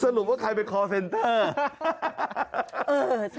สรุปว่าใครเป็นคอลเซ็นเตอร์